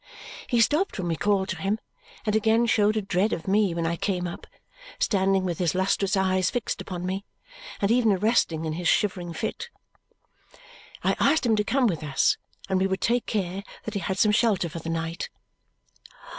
He stopped when we called to him and again showed a dread of me when I came up, standing with his lustrous eyes fixed upon me, and even arrested in his shivering fit. I asked him to come with us, and we would take care that he had some shelter for the night.